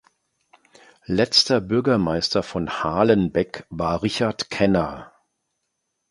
Letzter Bürgermeister von Halenbeck war Richard Kenner.